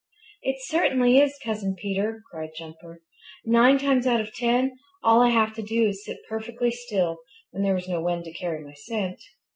"It certainly is, Cousin Peter," cried Jumper. "Nine times out of ten all I have to do is to sit perfectly still when there was no wind to carry my scent.